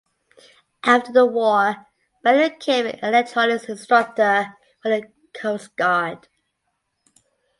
After the war Bell became an electronics instructor for the Coast Guard.